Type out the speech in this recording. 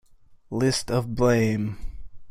List of Blame!